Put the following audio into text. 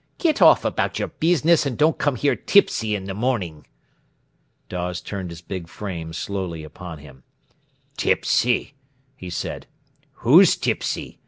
"Get off about your business, and don't come here tipsy in the morning." Dawes turned his big frame slowly upon him. "Tipsy!" he said. "Who's tipsy?